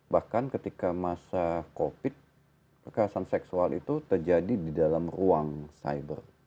bahkan ketika masa covid kekerasan seksual itu terjadi di dalam ruang cyberspace bukan di ruang nyata